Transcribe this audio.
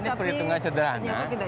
memang ini perhitungan sederhana